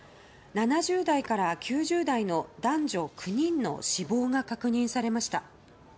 ７０代から９０代の男女９人の死亡が確認されました。